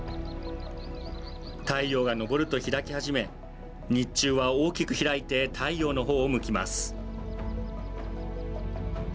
太陽が昇ると開き始め日中は大きく開いて太陽の方を向きます。